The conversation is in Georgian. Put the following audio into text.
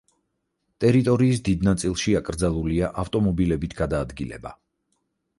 ტერიტორიის დიდ ნაწილში აკრძალულია ავტომობილებით გადაადგილება.